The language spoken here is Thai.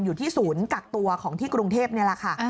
อยู่ที่ศูนย์กักตัวของที่กรุงเทพนี่แหละค่ะ